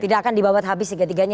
tidak akan dibabat habis ketiganya ya